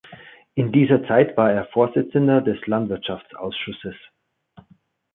In dieser Zeit war er Vorsitzender des Landwirtschaftsausschusses.